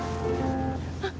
あっ！